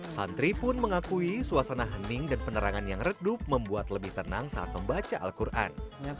santri pun mengakui suasana hening dan penerangan yang redup membuat lebih tenang saat membaca al quran